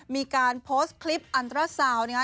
มีการโพสต์คลิปอันตราซาวน์นะครับ